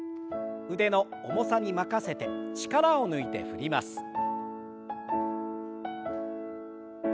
腕の重さに任せて力を抜いて振ります。